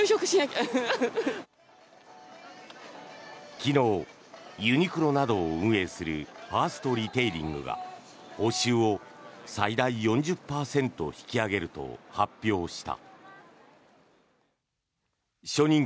昨日、ユニクロなどを運営するファーストリテイリングが報酬を最大４０％引き上げると発表した。